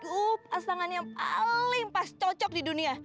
lo pas tangan yang paling pas cocok di dunia